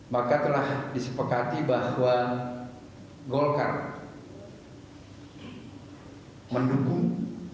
maka telah disepakati bahwa golkar mendukung